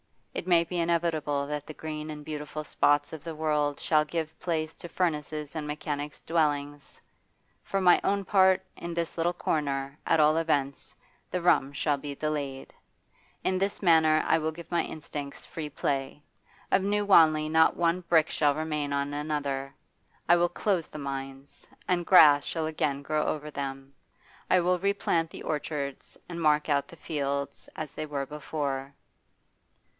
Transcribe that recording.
It may be inevitable that the green and beautiful spots of the world shall give place to furnaces and mechanics' dwellings. For my own part, in this little corner, at all events, the rum shall be delayed. In this matter I will give my instincts free play. Of New Wanley not one brick shall remain on another. I will close the mines, and grass shall again grow over them; I will replant the orchards and mark out the fields as they were before.